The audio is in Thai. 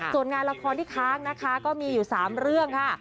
ส่วนงานละครที่ค้างนะคะก็มีอยู่๓เรื่องค่ะ